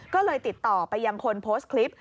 ก็เลยติดต่อไปยังคนโพสต์คลิป